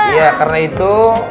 ya karena itu